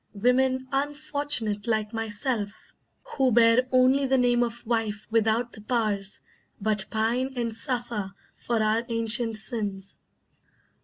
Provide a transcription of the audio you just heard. Women, unfortunate like myself, who bear Only the name of wife without the powers, But pine and suffer for our ancient sins.